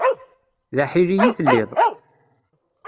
D aḥili i telliḍ.